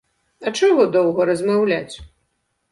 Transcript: А чаго доўга размаўляць?